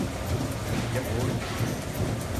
一碗